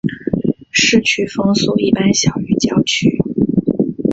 市区风速一般小于郊区。